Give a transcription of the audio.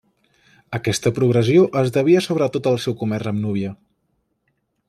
Aquesta progressió es devia sobretot al seu comerç amb Núbia.